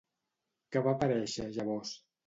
Que va aparèixer, llavors?